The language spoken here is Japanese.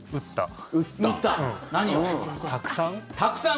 たくさん？